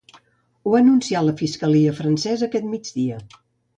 Ho ha anunciat la fiscalia francesa aquest migdia.